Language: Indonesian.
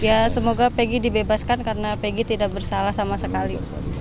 ya semoga peggy dibebaskan karena pegg tidak bersalah sama sekali